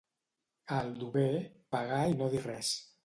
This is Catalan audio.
A Aldover, pagar i no dir res.